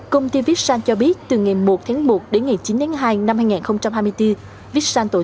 công ty vixxan cho biết từ ngày một tháng một đến ngày chín tháng hai năm hai nghìn hai mươi bốn